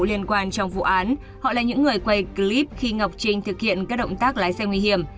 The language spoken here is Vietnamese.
liên quan trong vụ án họ là những người quay clip khi ngọc trinh thực hiện các động tác lái xe nguy hiểm